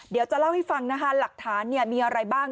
เดี๋ยวจะเล่าให้ฟังนะคะหลักฐานมีอะไรบ้าง